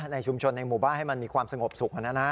ในชุมชนในหมู่บ้านให้มันมีความสงบสุข